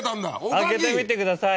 開けてみてください。